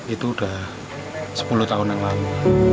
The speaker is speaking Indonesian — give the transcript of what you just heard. itu udah sepuluh tahun yang lama